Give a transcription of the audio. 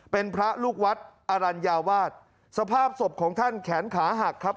เป็นพระลูกวัดอรัญญาวาสสภาพศพของท่านแขนขาหักครับ